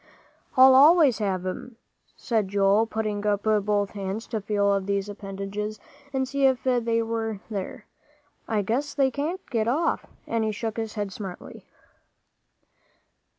"I'll always have 'em," said Joel, putting up both hands to feel of these appendages and see if they were there. "I guess they can't get off," and he shook his head smartly.